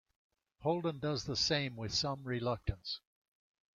Holden does the same with some reluctance.